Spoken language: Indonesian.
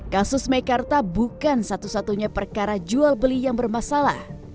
kasus mekarta bukan satu satunya perkara jual beli yang bermasalah